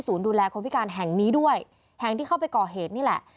ดูแลคนพิการแห่งนี้ด้วยแห่งที่เข้าไปก่อเหตุนี่แหละ